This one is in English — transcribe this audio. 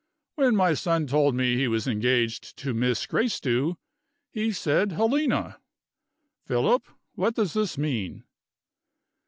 "When my son told me he was engaged to Miss Gracedieu, he said 'Helena'! Philip, what does this mean?"